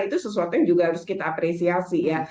itu sesuatu yang juga harus kita apresiasi ya